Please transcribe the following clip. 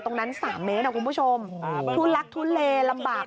ตรงนั้นสามเมตรอะคุณผู้ชมโอ้โหทุนลักษณ์ทุนเลลำบาก